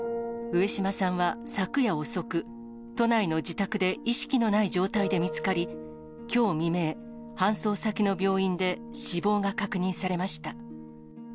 上島さんは昨夜遅く、都内の自宅で意識のない状態で見つかり、きょう未明、搬送先の病院で死亡が確認されました。